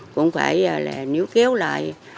cũng phải là níu kéo lại